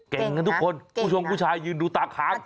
เก่งกันทุกคนผู้ชมผู้ชายยืนดูตาค้าง